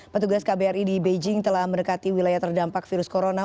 petugas kbri di beijing telah mendekati wilayah terdampak virus corona